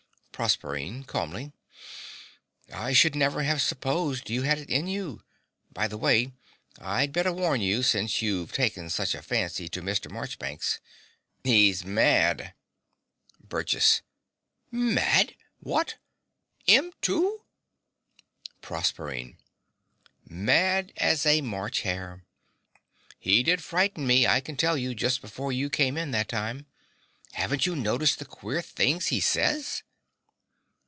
PROSERPINE (calmly). I should never have supposed you had it in you. By the way, I'd better warn you, since you've taken such a fancy to Mr. Marchbanks. He's mad. BURGESS. Mad! Wot! 'Im too!! PROSERPINE. Mad as a March hare. He did frighten me, I can tell you just before you came in that time. Haven't you noticed the queer things he says?